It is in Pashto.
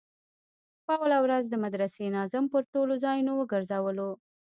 په اوله ورځ د مدرسې ناظم پر ټولو ځايونو وگرځولو.